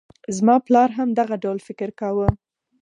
زما پلار هم دغه ډول فکر کاوه.